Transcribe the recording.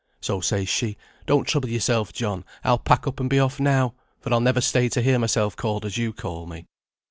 So says she, 'Don't trouble yourself, John. I'll pack up and be off now, for I'll never stay to hear myself called as you call me.'